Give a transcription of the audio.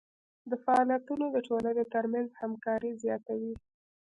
دا فعالیتونه د ټولنې ترمنځ همکاري زیاتوي.